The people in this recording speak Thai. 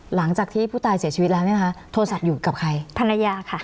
หลังจากที่ผู้ตายเสียชีวิตแล้วเนี่ยนะคะโทรศัพท์อยู่กับใครภรรยาค่ะ